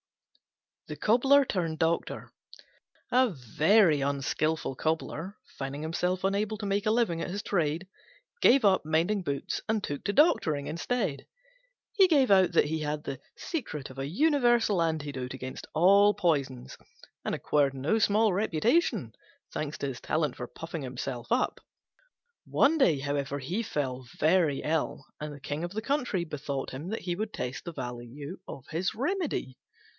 THE COBBLER TURNED DOCTOR A very unskilful Cobbler, finding himself unable to make a living at his trade, gave up mending boots and took to doctoring instead. He gave out that he had the secret of a universal antidote against all poisons, and acquired no small reputation, thanks to his talent for puffing himself. One day, however, he fell very ill; and the King of the country bethought him that he would test the value of his remedy.